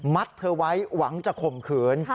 เธอไว้หวังจะข่มขืน